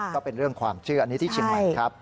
ก็เป็นเรื่องความเชื่ออันนี้ที่เชียงใหม่ครับ